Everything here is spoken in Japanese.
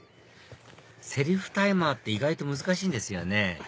セルフタイマーって意外と難しいんですよね